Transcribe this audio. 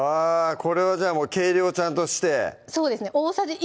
これはじゃあもう計量ちゃんとしてそうですね大さじ１